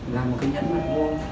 là một cái nhẫn mặt mua